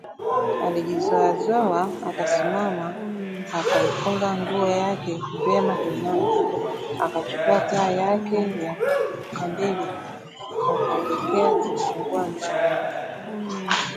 Alijizoazoa akasimama akaifunga nguo yake vyema kiunoni, akachukua taa yake ya kandili akaelekea kuufungua mlango